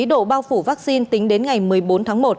độ bao phủ vaccine tính đến ngày một mươi bốn tháng một